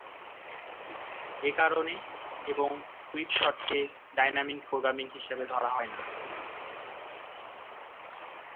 একারণে এবং quick sort কে dynamic programming হিসাবে ধরা হয়না।